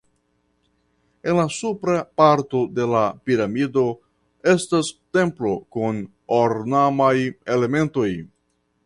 En la supra parto de la piramido estas templo kun ornamaj elementoj.